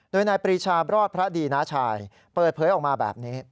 โดยนายปรีชาบรอดพระดีน้าชายเปิดเผยออกมาแบบนี้